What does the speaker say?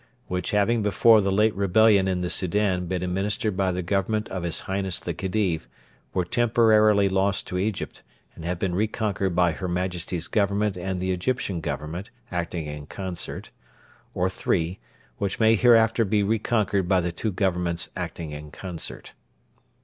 Which having before the late rebellion in the Soudan been administered by the Government of His Highness the Khedive, were temporarily lost to Egypt, and have been reconquered by Her Majesty's Government and the Egyptian Government, acting in concert; or 3. Which may hereafter be reconquered by the two Governments acting in concert.